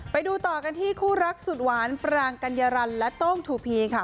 ไปดูต่อกันที่คู่รักสุดหวานปรางกัญญารันและโต้งทูพีค่ะ